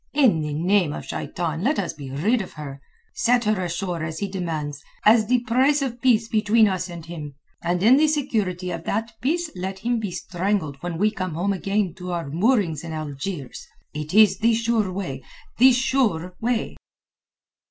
In the name of Shaitan, let us be rid of her; set her ashore as he demands, as the price of peace between us and him, and in the security of that peace let him be strangled when we come again to our moorings in Algiers. It is the sure way—the sure way!"